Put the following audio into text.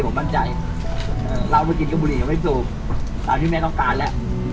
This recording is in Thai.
ผมมั่นใจเรามากินกระบุรีก็ไม่จบตามที่แม่ต้องการแหละ